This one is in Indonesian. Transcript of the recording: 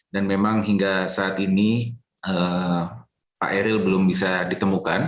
dan memang hingga saat ini pak eril belum bisa ditemukan